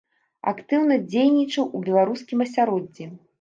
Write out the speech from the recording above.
Актыўна дзейнічаў у беларускім асяроддзі.